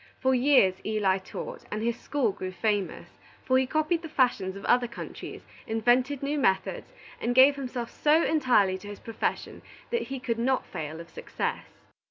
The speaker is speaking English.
For years Eli taught, and his school grew famous; for he copied the fashions of other countries, invented new methods, and gave himself so entirely to his profession that he could not fail of success.